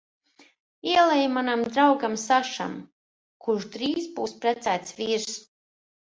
Ielej manam draugam Sašam, kurš drīz būs precēts vīrs!